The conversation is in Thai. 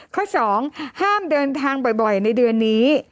ข้อ๒ห้ามเดินทางบ่อยในเดือนนี้